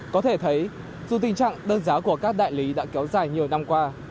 có thể thấy dù tình trạng đơn giá của các đại lý đã kéo dài nhiều năm qua